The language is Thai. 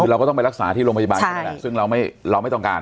คือเราก็ต้องไปรักษาที่โรงพยาบาลเขานั่นแหละซึ่งเราไม่ต้องการ